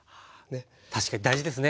確かに大事ですね